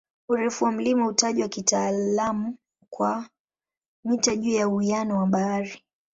Urefu wa mlima hutajwa kitaalamu kwa "mita juu ya uwiano wa bahari".